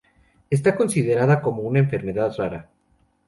Está considerada como una "enfermedad rara".